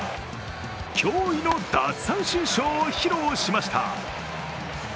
驚異の奪三振ショーを披露しました。